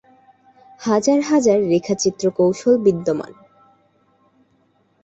হাজার হাজার রেখাচিত্র কৌশল বিদ্যমান।